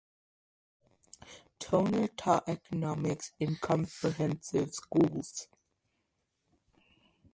Turner taught economics in comprehensive schools.